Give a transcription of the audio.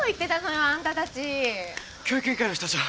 教育委員会の人たちは？